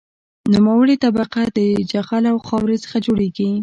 نوموړې طبقه د جغل او خاورې څخه جوړیږي